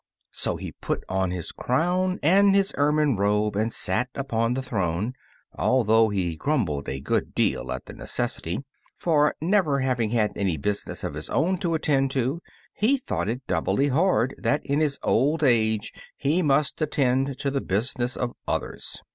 So he put on his crown and his ermine robe and sat upon the throne, although he grumbled a good deal at the necessity; for never having had any business of his own to attend to he thought it doubly hard that in his old age he must attend to the business of others.